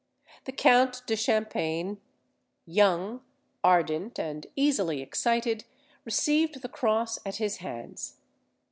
The Count de Champagne, young, ardent, and easily excited, received the cross at his hands.